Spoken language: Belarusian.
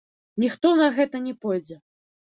Ніхто на гэта не пойдзе.